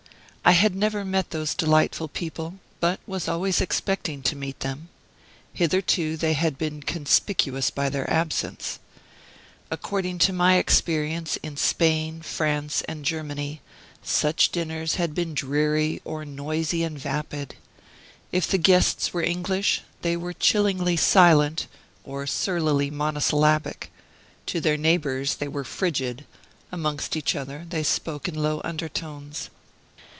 I had never met those delightful people, but was always expecting to meet them. Hitherto they had been conspicuous by their absence. According to my experience in Spain, France, and Germany, such dinners had been dreary or noisy and vapid. If the guests were English, they were chillingly silent, or surlily monosyllabic: to their neighbors they were frigid; amongst each other they spoke in low undertones.